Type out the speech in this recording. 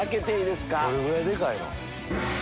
どれぐらいでかいの？